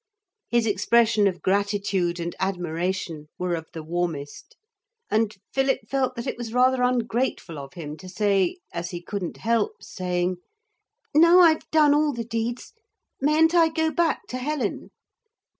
His expression of gratitude and admiration were of the warmest, and Philip felt that it was rather ungrateful of him to say, as he couldn't help saying: 'Now I've done all the deeds, mayn't I go back to Helen?'